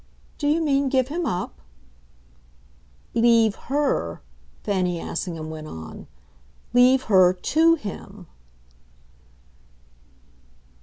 "Do you mean give him up?" "Leave HER," Fanny Assingham went on. "Leave her TO him."